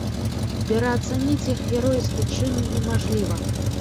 Пераацаніць іх геройскі чын немажліва.